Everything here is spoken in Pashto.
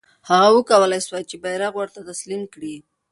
هغه کولای سوای چې بیرغ ورته تسلیم کړي.